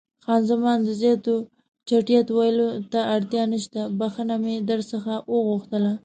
خان زمان: د زیاتو چټیاتو ویلو ته اړتیا نشته، بښنه مې در څخه وغوښتله.